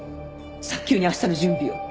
早急に明日の準備を。